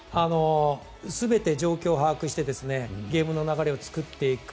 全て状況を把握してゲームの流れを作っていく。